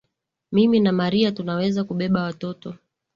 Mimi na mariah tunaweza kubeba watoto